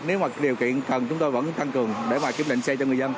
nếu mà điều kiện cần chúng tôi vẫn tăng cường để mà kiểm định xe cho người dân